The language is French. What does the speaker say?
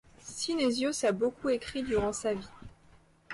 Synésios a beaucoup écrit durant sa vie.